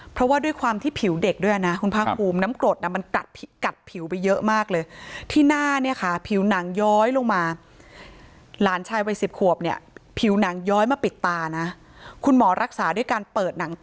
เพราะว่าด้วยความที่ผิวเด็กด้วยอะนะคุณพ่อ